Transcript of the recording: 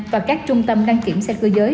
và các trung tâm đăng kiểm xét cơ giới